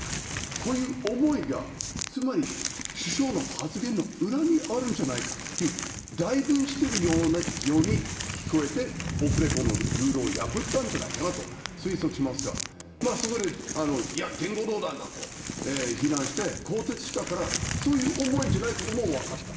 こういう思いが首相の発言の裏にあるんじゃないかという代弁しているように聞こえてオフレコのルールを破ったんじゃないかと推測しますがそこで言語道断だと非難して更迭したからそういう思いじゃないこともわかった。